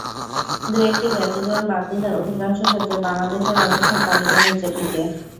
দু-একটি ব্যতিক্রম বাদ দিলে অধিকাংশ ক্ষেত্রে বাংলাদেশের অবস্থান তালিকার নিচের দিকে।